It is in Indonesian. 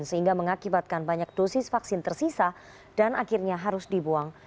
sehingga mengakibatkan banyak dosis vaksin tersisa dan akhirnya harus dibuang